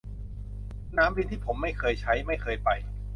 สนามบินที่ผมไม่เคยใช้ ไม่เคยไป